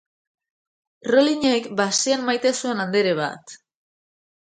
Rolinek bazian maite zuen andere bat.